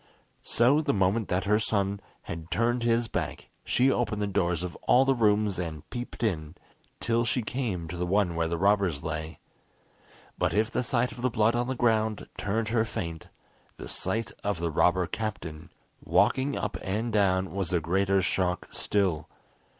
So the moment that her son had turned his back, she opened the doors of all the rooms, and peeped in, till she came to the one where the robbers lay. But if the sight of the blood on the ground turned her faint, the sight of the robber captain walking up and down was a greater shock still.